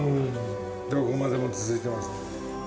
どこまでも続いてますね。